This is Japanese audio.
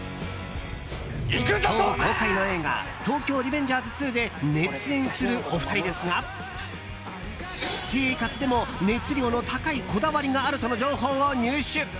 今日公開の映画「東京リベンジャーズ２」で熱演するお二人ですが私生活でも熱量の高いこだわりがあるとの情報を入手。